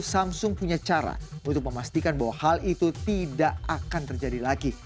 samsung punya cara untuk memastikan bahwa hal itu tidak akan terjadi lagi